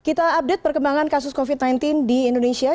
kita update perkembangan kasus covid sembilan belas di indonesia